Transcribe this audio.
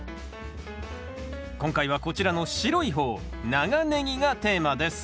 今回はこちらの白い方長ネギがテーマです。